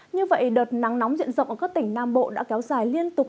như vậy đợt nắng nóng diện rộng ở các tỉnh nam bộ đã kéo dài liên tục